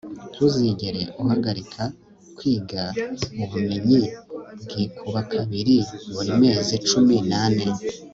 ntuzigere uhagarika kwiga; ubumenyi bwikuba kabiri buri mezi cumi n'ane